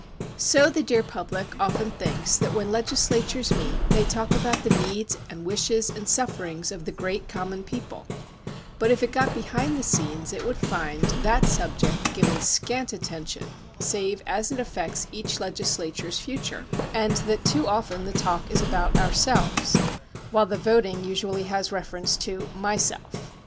So the dear public often thinks that when legislatures meet they talk about the needs and wishes and sufferings of the great com mon people, but if it got behind the scenes it would find that subject given scant atten tion save as it affects each legislature's future; and that too often the talk is about ourselves," while the voting usually has reference to myself."